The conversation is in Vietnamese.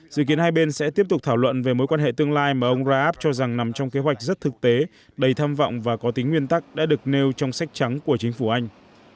dự kiến hai bên sẽ tiếp tục thảo luận về mối quan hệ tương lai mà ông raab cho rằng nằm trong kế hoạch rất thực tế đầy tham vọng và có tính nguyên tắc đã được nêu trong sách trắng của chính phủ anh